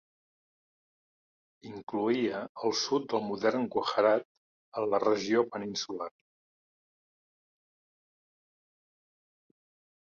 Incloïa el sud del modern Gujarat en la regió peninsular.